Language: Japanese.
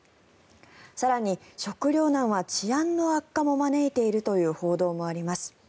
更に、食料難は治安の悪化も招いているという報道もあります。